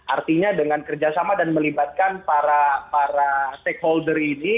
artinya dengan kerjasama dan melibatkan para stakeholder ini